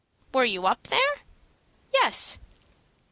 "Were you up there?" "Yes."